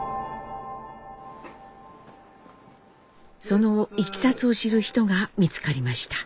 そのいきさつを知る人が見つかりました。